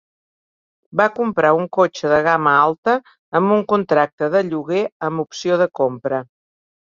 Va comprar un cotxe de gama alta amb un contracte de lloguer amb opció de compra.